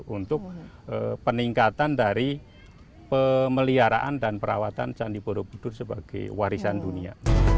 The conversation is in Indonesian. untuk peningkatan dari pemeliharaan dan perawatan candi borobudur sebagai warisan dunia